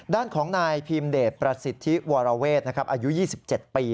ด้านของนายพีมเดชประสิทธิวรเวศอายุ๒๗ปี